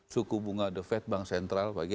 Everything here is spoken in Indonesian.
suku bunga the fed bank sentral bagi